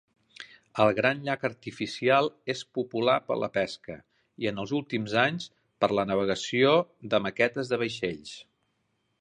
El gran llac artificial és popular per la pesca i, en els últims anys, per la navegació de maquetes de vaixells.